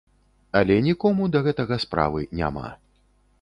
Але нікому да гэтага справы няма.